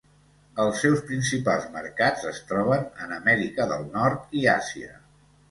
Els seus principals mercats es troben en Amèrica del Nord i Àsia.